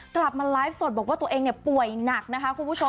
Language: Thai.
กลับมาไลฟ์สดบอกว่าตัวเองป่วยหนักนะคะคุณผู้ชม